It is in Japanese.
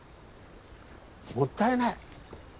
もったいない。